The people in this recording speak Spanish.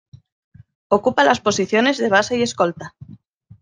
Ocupa las posiciones de base y escolta.